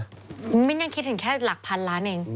มิ้นยังคิดถึงแค่หลักพันล้านเอง